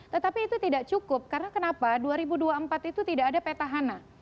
tetapi itu tidak cukup karena kenapa dua ribu dua puluh empat itu tidak ada petahana